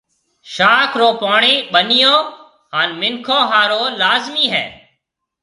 شاخ رو پوڻِي ٻنِيون هانَ مِنکون هارون لازمِي هيَ۔